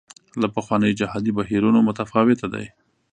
له پخوانیو جهادي بهیرونو متفاوته ده.